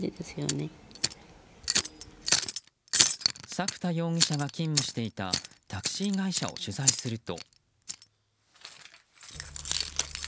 作田容疑者が勤務していたタクシー会社を取材すると。